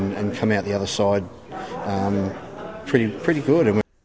dan kami sudah menjelaskan dan memperbaiki kemampuan yang bagus